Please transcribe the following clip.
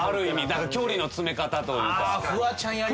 距離の詰め方というか。